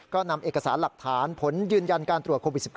ก็นำเอกสารหลักฐานผลยืนยันการตรวจโควิด๑๙